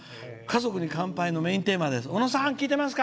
「家族に乾杯」のメインテーマです。